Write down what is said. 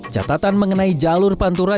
jatatan mengenai jalur pantura